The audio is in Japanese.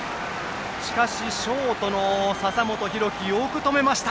しかし、ショートの笹本裕樹よく止めました！